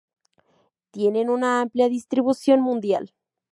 Tienen una amplia distribución mundial.